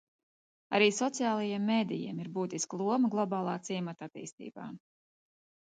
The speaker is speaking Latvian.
Arī sociālajiem medijiem ir būtiska loma globālā ciemata attīstībā.